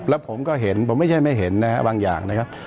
แล้วผมก็เห็นผมไม่ใช่ไม่เห็นนะครับบางอย่างนะครับ